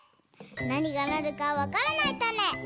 なにがなるかわからないたね！